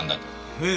ええ。